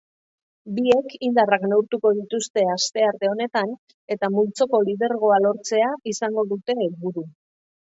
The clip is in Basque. Biek indarrak neurtuko dituzte astearte honetan eta multzoko lidergoa lortzea izango dute helburu.